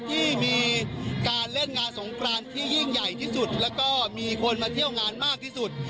ที่มีการเล่นงานสงกรานที่ยิ่งใหญ่ที่สุดแล้วก็มีคนมาเที่ยวงานมากที่สุด